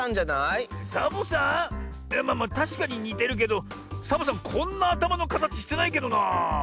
いやまあまあたしかににてるけどサボさんはこんなあたまのかたちしてないけどなあ。